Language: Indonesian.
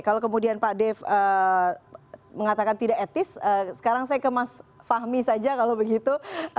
kalau kemudian pak dev mengatakan tidak etis sekarang saya ke mas fahmi saja kalau begitu